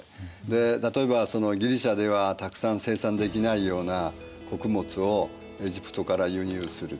例えばギリシアではたくさん生産できないような穀物をエジプトから輸入すると。